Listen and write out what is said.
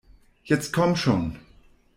Jetzt komm schon!